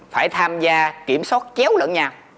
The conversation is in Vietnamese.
phải tham gia kiểm soát chéo lẫn nhau